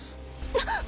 なっ！？